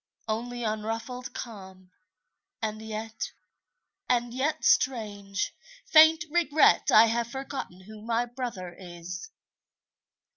Only unruffled calm; and yet — and yet — Strange, faint regret — I have forgotten who my brother is!